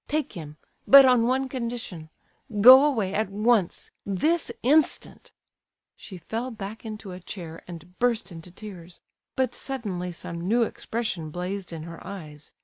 Take him, but on one condition; go away at once, this instant!" She fell back into a chair, and burst into tears. But suddenly some new expression blazed in her eyes.